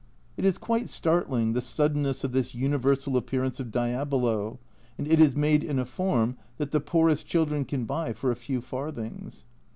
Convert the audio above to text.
It is quite startling, the suddenness of this universal appearance of Diabolo, and it is made in a form that the poorest children can buy for a few farthings.